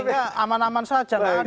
sehingga aman aman saja